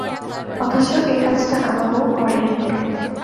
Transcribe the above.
অথচ এ কাজটা আমার বউ করে ই নি।